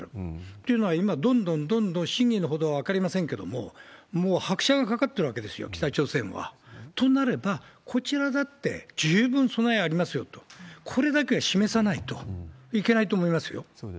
というのは、今どんどんどんどん真偽の程は分かりませんけれども、もう拍車がかかってるわけですよ、北朝鮮は。となれば、こちらだって十分備えありますよと、これだけは示さないといけないと思いますよ。